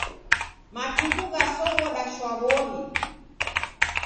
Matuku ghasoghoda shwaw'ori.